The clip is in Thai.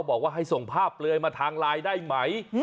บอกว่าให้ส่งภาพเปลือยมาทางไลน์ได้ไหม